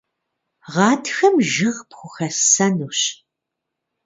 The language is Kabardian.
Гъатхэм жыг пхухэссэнущ.